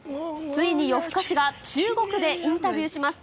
ついに夜ふかしが中国でインタビューします。